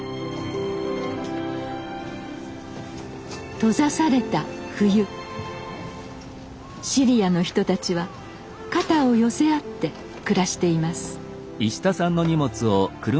閉ざされた冬尻屋の人たちは肩を寄せ合って暮らしています。